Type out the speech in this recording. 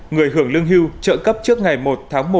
người hưởng lương hưu trợ cấp trước ngày một tháng một